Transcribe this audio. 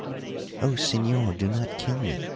"Oh, señor, do not kill me!"